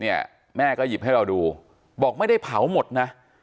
แม่ก็หยิบให้เราดูบอกไม่ได้เผาหมดนะ